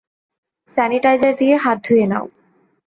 Sanitiser দিয়ে হাত ধুয়ে নাও।